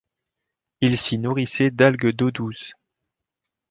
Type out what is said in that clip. Ils s'y nourrissaient d'algues d'eau douce.